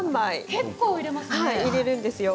結構、入れますね。